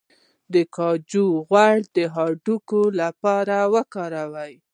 د کنجد غوړي د هډوکو لپاره وکاروئ